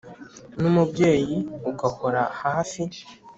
ni umubyeyi uguhora hafi,